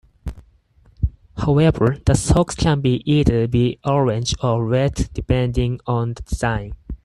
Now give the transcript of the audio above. However the socks can be either be orange or red depending on the design.